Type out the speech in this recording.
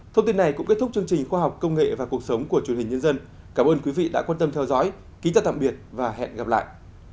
thông tin này cũng kết thúc chương trình khoa học công nghệ và cuộc sống của truyền hình nhân dân cảm ơn quý vị đã quan tâm theo dõi kính chào tạm biệt và hẹn gặp lại